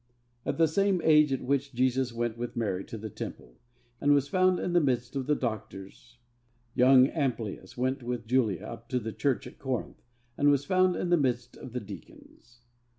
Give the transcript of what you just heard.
At the same age at which Jesus went with Mary to the Temple, and was found in the midst of the doctors, young Amplius went with Julia up to the church at Corinth, and was found in the midst of the deacons.